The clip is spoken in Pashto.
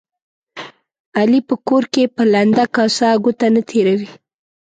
علي په کور کې په لنده کاسه ګوته نه تېروي.